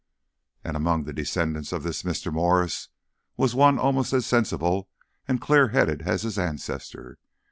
And among the descendants of this Mr. Morris was one almost as sensible and clear headed as his ancestor.